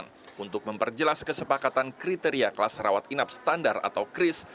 dan kementerian kesehatan untuk memperjelas kesepakatan kriteria kelas rawat inap standar atau kris